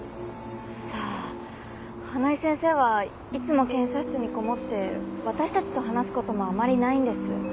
さあ花井先生はいつも検査室にこもって私たちと話す事もあまりないんです。